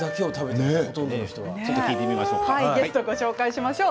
聞いてみましょう。